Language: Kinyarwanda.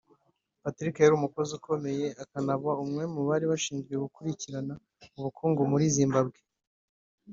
Patrick yari umukozi ukomeye akanaba umwe mu bari bashinzwe gukurikirana ubukungu muri Zimbabwe